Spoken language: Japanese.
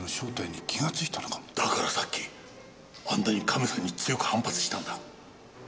だからさっきあんなにカメさんに強く反発したんだ。